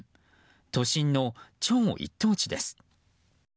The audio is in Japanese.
都心の超一等地です。